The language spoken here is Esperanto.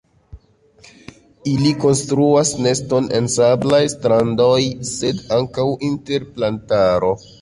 Ili konstruas neston en sablaj strandoj sed ankaŭ inter plantaro.